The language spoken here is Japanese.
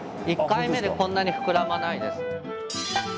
１回目でこんなに膨らまないです。